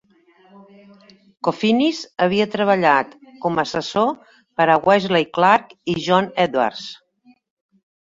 Kofinis havia treballat com a assessor per a Wesley Clark i John Edwards.